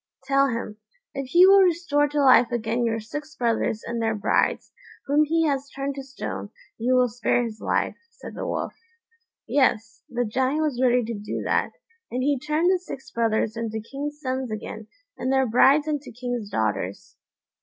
"Tell him, if he will restore to life again your six brothers and their brides, whom he has turned to stone, you will spare his life," said the Wolf. Yes, the Giant was ready to do that, and he turned the six brothers into king's sons again, and their brides into king's daughters.